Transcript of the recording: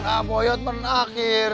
ah boyotmen akhir